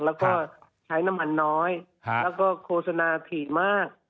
แล้วก็ใช้น้ำมันน้อยแล้วก็โฆษณาถี่มาก